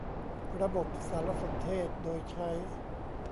ระบบสารสนเทศโดยใช้